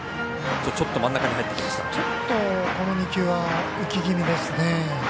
ちょっと今の２球浮き気味ですね。